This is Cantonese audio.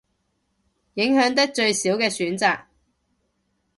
影響得最少嘅選擇